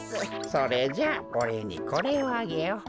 それじゃあおれいにこれをあげよう。